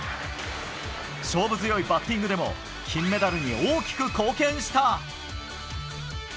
勝負強いバッティングでも金メダルに大きく貢献した。